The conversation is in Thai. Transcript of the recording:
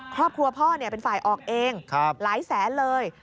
ครอบครัวพ่อเป็นฝ่ายออกเองหลายแสนเลย